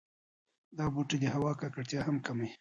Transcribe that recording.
دا بوټي د هوا ککړتیا هم کموي.